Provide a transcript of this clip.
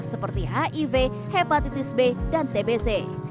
seperti hiv hepatitis b dan tbc